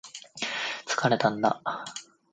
疲れたんだ